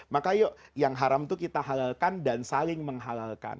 maka yuk yang haram itu kita halalkan dan saling menghalalkan